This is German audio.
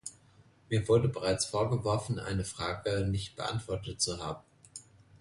Mir wurde bereits vorgeworfen, eine Frager nicht beantwortet zu haben.